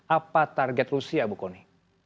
apa target rusia bu kony